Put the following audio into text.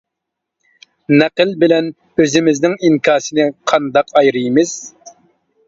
نەقىل بىلەن ئۆزىمىزنىڭ ئىنكاسىنى قانداق ئايرىيمىز.